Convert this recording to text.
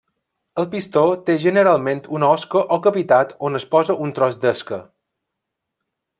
El pistó té generalment una osca o cavitat on es posa un tros d'esca.